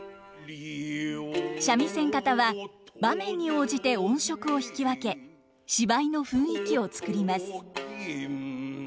三味線方は場面に応じて音色を弾き分け芝居の雰囲気を作ります。